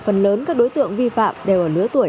phần lớn các đối tượng vi phạm đều ở lứa tuổi